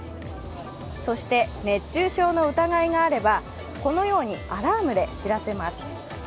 そして熱中症の疑いがあれば、このようにアラームで知らせます。